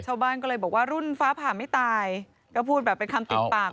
ชาวบ้านก็เลยบอกว่ารุ่นฟ้าผ่าไม่ตายก็พูดแบบเป็นคำติดปาก